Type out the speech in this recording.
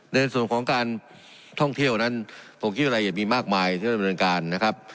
ในส่วนของการท่องเที่ยวนั้นผมคิดว่าอะไรอย่ามีมากมายที่จะดำเนินการนะครับ